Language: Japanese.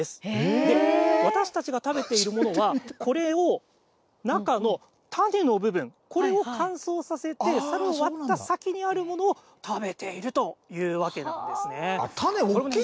私たちが食べているものは、これを中の種の部分、これを乾燥させて、それを割った先にあるものを食べているというわけなんで種、大きいんですね。